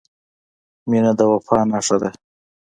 • مینه د وفا نښه ده.